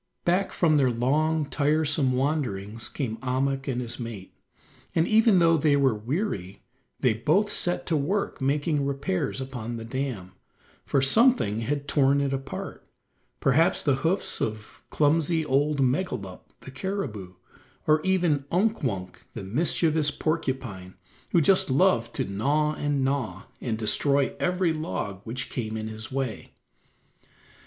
Back from their long, tiresome wanderings came Ahmuk and his mate, and even though they were weary they both set to work making repairs upon the dam, for something had torn it apart; perhaps the hoofs of clumsy old Megalup, the caribou, or even Unk Wunk the mischievous porcupine, who just loved to gnaw and gnaw, and destroy every log which came in his way.